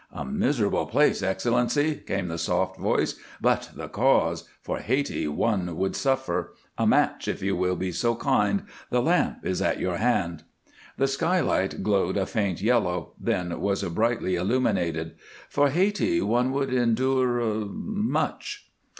"A miserable place, Excellency," came the soft voice, "but the Cause! For Hayti one would suffer A match, if you will be so kind. The lamp is at your hand." The skylight glowed a faint yellow, then was brightly illuminated. "For Hayti one would endure much."